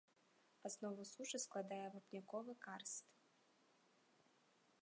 Аснову сушы складае вапняковы карст.